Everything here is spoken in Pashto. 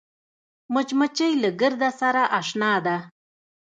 مچمچۍ له ګرده سره اشنا ده